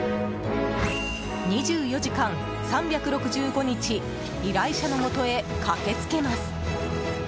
２４時間３６５日依頼者のもとへ駆けつけます。